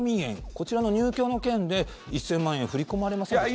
こちらの入居の件で１０００万円振り込まれませんでしたか？